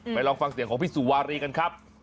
ลองฟังเสียงของพี่สุวารีกันครับ